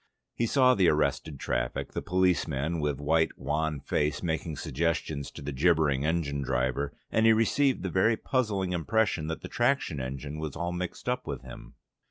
He saw the arrested traffic, the policeman with white wan face making suggestions to the gibbering engine driver, and he received the very puzzling impression that the traction engine was all mixed up with him.